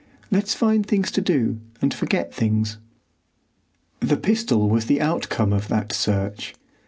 Let's find things to do, and forget things." The pistol was the outcome of that search.